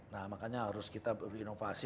nah makanya harus kita berinovasi